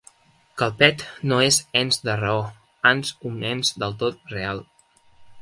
Que el pet no és ens de raó, ans un ens del tot real.